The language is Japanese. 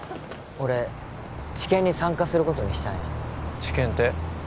俺治験に参加することにしたんや治験って？